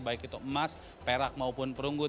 baik itu emas perak maupun perunggu